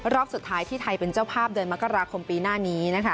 รอบสุดท้ายที่ไทยเป็นเจ้าภาพเดือนมกราคมปีหน้านี้